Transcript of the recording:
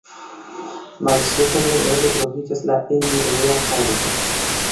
Malsupre meze troviĝas la enireja pordo.